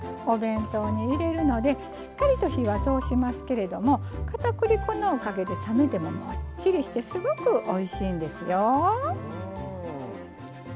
お弁当に入れるのでしっかりと火は通しますけれどもかたくり粉のおかげで冷めてももっちりしてすごくおいしいんですよ。